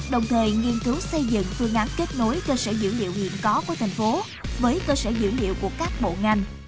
đồng thời nghiên cứu xây dựng phương án kết nối cơ sở dữ liệu hiện có của thành phố với cơ sở dữ liệu của các bộ ngành